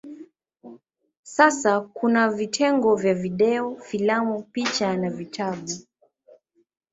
Sasa kuna vitengo vya video, filamu, picha na vitabu.